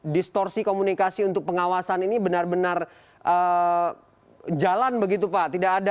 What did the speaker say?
distorsi komunikasi untuk pengawasan ini benar benar jalan begitu pak